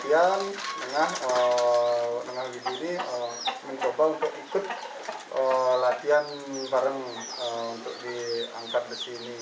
dengan ibu ini mencoba untuk ikut latihan bareng untuk diangkat besi ini